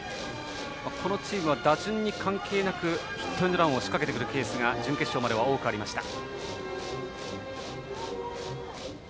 このチームは打順に関係なくヒットエンドランを仕掛けてくるケースが準決勝までは多くありました。